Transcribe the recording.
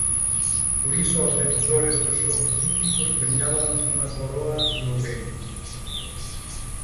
Por iso aos vencedores dos Xogos Píticos premiábanos cunha coroa de loureiro.